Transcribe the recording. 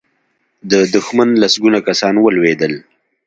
د دښمن لسګونه کسان ولوېدل.